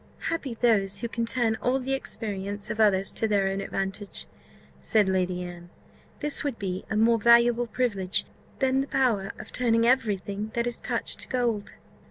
"Happy those who can turn all the experience of others to their own advantage!" said Lady Anne: "this would be a more valuable privilege than the power of turning every thing that is touched to gold."